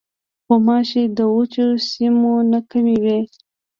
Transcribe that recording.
غوماشې د وچو سیمو نه کمې وي.